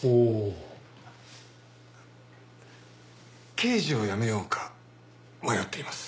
刑事を辞めようか迷っています。